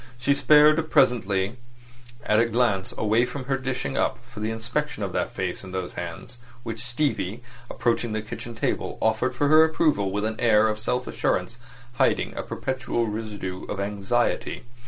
She spared presently a glance away from her dishing up for the inspection of that face and those hands which Stevie, approaching the kitchen table, offered for her approval with an air of self assurance hiding a perpetual residue of anxiety.